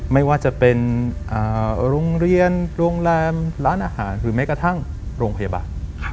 ไม่ว่าจะเป็นโรงเรียนโรงแรมร้านอาหารหรือแม้กระทั่งโรงพยาบาล